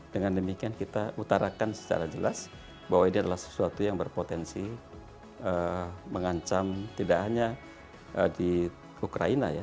dengan demikian kita utarakan secara jelas bahwa ini adalah sesuatu yang berpotensi mengancam tidak hanya di ukraina ya